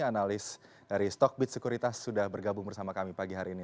analis dari stockbit securitas sudah bergabung bersama kami pagi hari ini